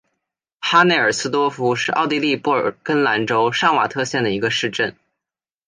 哈内尔斯多夫是奥地利布尔根兰州上瓦特县的一个市镇。